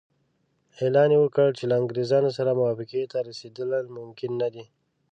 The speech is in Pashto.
اعلان یې وکړ چې له انګریزانو سره موافقې ته رسېدل ممکن نه دي.